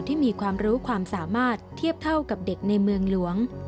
ที่มีความรู้ความสามารถเทียบเท่ากับเด็กในเมืองหลวง